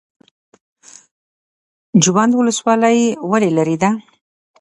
جوند ولسوالۍ ولې لیرې ده؟